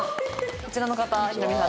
こちらの方ヒロミさん